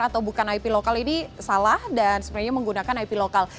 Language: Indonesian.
atau bukan ip lokal ini salah dan sebenarnya menggunakan ip lokal